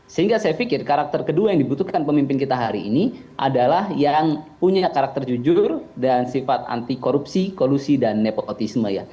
sehingga saya pikir karakter kedua yang dibutuhkan pemimpin kita hari ini adalah yang punya karakter jujur dan sifat anti korupsi kolusi dan nepotisme ya